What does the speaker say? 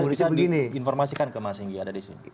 bisa diinformasikan ke mas ingyi ada di sini